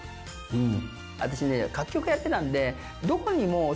うん。